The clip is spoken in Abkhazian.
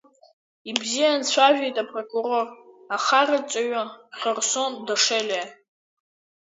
Ибзиан дцәажәеит апрокурор ахарадҵаҩы Хьырсон Дашелиа.